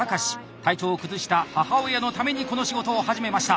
体調を崩した母親のためにこの仕事を始めました。